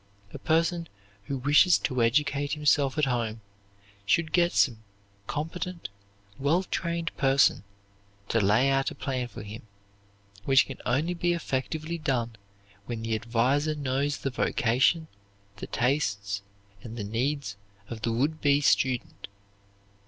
A person who wishes to educate himself at home should get some competent, well trained person to lay out a plan for him, which can only be effectively done when the adviser knows the vocation, the tastes, and the needs of the would be student.